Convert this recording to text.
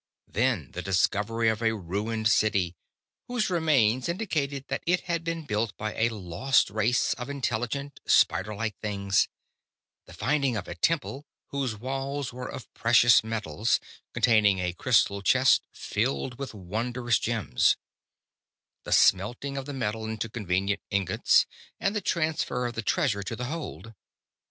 Then the discovery of a ruined city, whose remains indicated that it had been built by a lost race of intelligent, spiderlike things; the finding of a temple whose walls were of precious metals, containing a crystal chest filled with wondrous gems; the smelting of the metal into convenient ingots, and the transfer of the treasure to the hold.